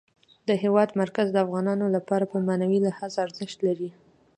د هېواد مرکز د افغانانو لپاره په معنوي لحاظ ارزښت لري.